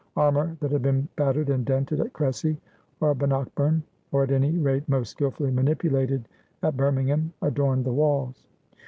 Armour that had been battered and dented at Cressy or Bannockburn, or at any rate most skilfully manipulated at Bir mingham, adorned the walls.